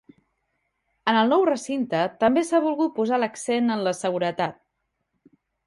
En el nou recinte també s'ha volgut posar l'accent en la seguretat.